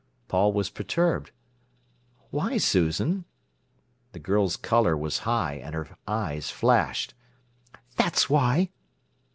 Paul was perturbed. "Why, Susan?" The girl's colour was high, and her eyes flashed. "That's why!"